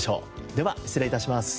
では失礼致します。